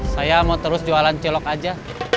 saya mau terus jualan celok aja